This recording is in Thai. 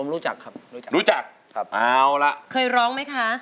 รู้จักครับรู้จักครับค่าวล่ะเคยร้องมั้ยค่ะ